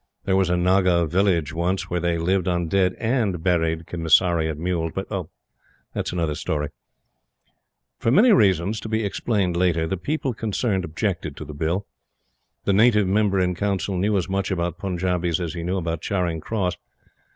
There was a Naga village once, where they lived on dead AND buried Commissariat mules.... But that is another story. For many reasons, to be explained later, the people concerned objected to the Bill. The Native Member in Council knew as much about Punjabis as he knew about Charing Cross.